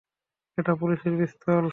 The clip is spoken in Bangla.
এটা পুলিশের পিস্তল।